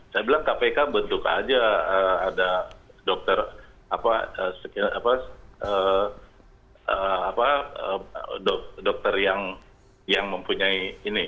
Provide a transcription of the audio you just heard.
saya bilang kpk bentuk aja ada dokter yang mempunyai ini